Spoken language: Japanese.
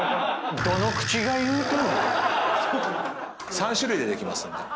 ３種類出てきますんで。